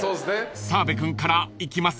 ［澤部君からいきますか？］